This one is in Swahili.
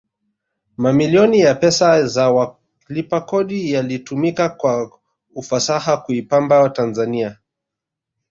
mamilioni ya pesa za walipa kodi yalitumika kwa ufasaha kuipamba tanzani